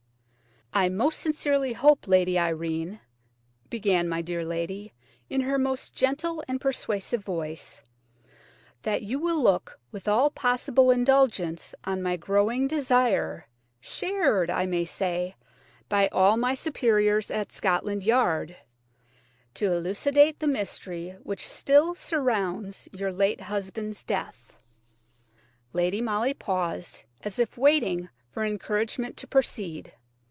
"I most sincerely hope, Lady Irene," began my dear lady, in her most gentle and persuasive voice, "that you will look with all possible indulgence on my growing desire–shared, I may say, by all my superiors at Scotland Yard–to elucidate the mystery which still surrounds your late husband's death." Lady Molly paused, as if waiting for encouragement to proceed.